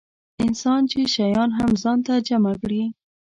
انسان چې شیان هم ځان ته جمع کړي.